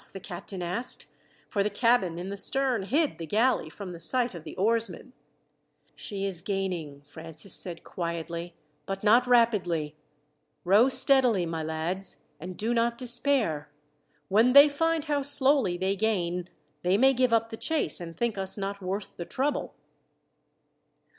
the captain asked, for the cabin in the stern hid the galley from the sight of the oarsmen. "She is gaining," Francis said quietly, "but not rapidly. Row steadily, my lads, and do not despair. When they find how slowly they gain, they may give up the chase and think us not worth the trouble.